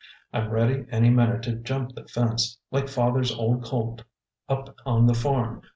I'm ready any minute to jump the fence, like father's old colt up on the farm.